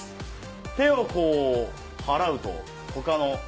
手をこう払うと他のお衣装が。